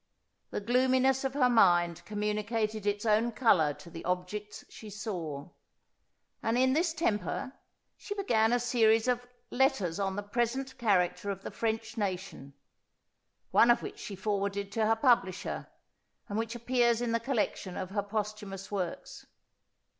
The gloominess of her mind communicated its own colour to the objects she saw; and in this temper she began a series of Letters on the Present Character of the French Nation, one of which she forwarded to her publisher, and which appears in the collection of her posthumous works.